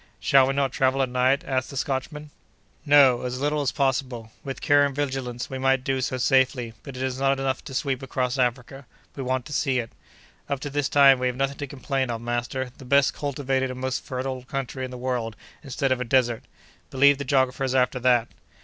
"Shall we not travel at night?" asked the Scotchman. "No, as little as possible. With care and vigilance we might do so safely, but it is not enough to sweep across Africa. We want to see it." "Up to this time we have nothing to complain of, master. The best cultivated and most fertile country in the world instead of a desert! Believe the geographers after that!"